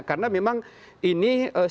karena memang ini sesuatu yang langsung berakhir